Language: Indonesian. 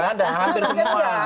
nggak ada hampir semua